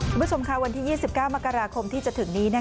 คุณผู้ชมค่ะวันที่๒๙มกราคมที่จะถึงนี้